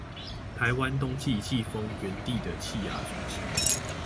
台灣冬季季風源地的氣壓中心